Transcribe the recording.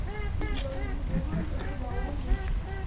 بیولوژي پوهان په دې باور دي.